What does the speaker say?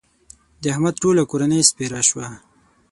د احمد ټوله کورنۍ سپېره شوه.